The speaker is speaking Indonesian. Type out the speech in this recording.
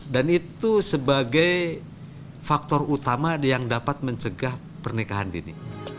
dan itu sebagai faktor utama yang dapat mencegah pernikahan dini